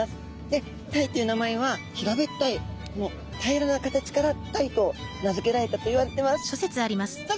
でタイという名前は平べったいこの平らな形からタイと名付けられたといわれてます。